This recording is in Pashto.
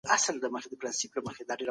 تیر کال ډیره پانګه راکده پاته شوه.